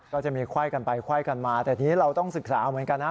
ก็จะมีไขว้กันไปไขว้กันมาแต่ทีนี้เราต้องศึกษาเหมือนกันนะ